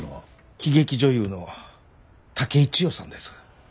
喜劇女優の竹井千代さんです。